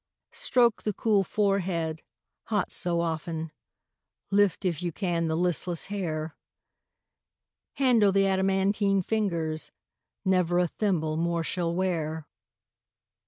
Stroke the cool forehead, hot so often, Lift, if you can, the listless hair; Handle the adamantine fingers Never a thimble more shall wear.